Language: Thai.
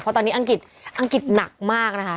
เพราะตอนนี้อังกฤษอังกฤษหนักมากนะคะ